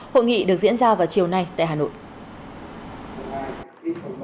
hội nghị được diễn ra vào chiều nay tại hà nội